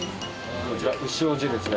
こちら潮汁ですね。